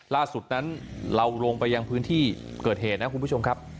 ล่าสุดนั้นเราลงไปยังพื้นที่เกิดเหตุนะคุณผู้ชมครับ